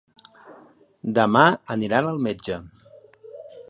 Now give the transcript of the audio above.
Demà aniran al metge.